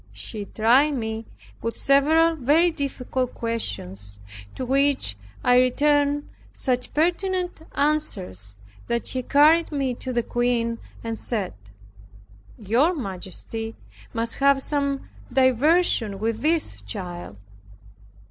He tried me with several very difficult questions, to which I returned such pertinent answers that he carried me to the Queen, and said, "Your majesty must have some diversion with this child."